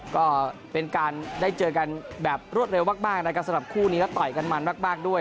ก็เป็นการได้เจอกันแบบรวดเร็วมากนะครับสำหรับคู่นี้แล้วต่อยกันมันมากด้วย